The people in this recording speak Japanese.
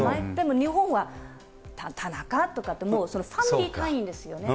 日本は田中とかってファミリー単位ですよね。